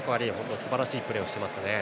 すばらしいプレーをしていますね。